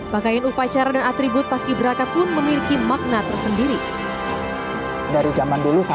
pakaian upacara dan atribut pas ibraka pun memiliki makna tersendiri dari zaman dulu